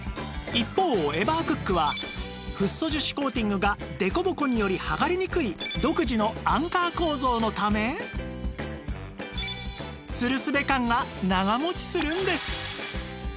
一方エバークックはフッ素樹脂コーティングが凸凹によりはがれにくい独自のアンカー構造のためつるすべ感が長持ちするんです